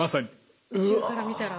宇宙から見たら？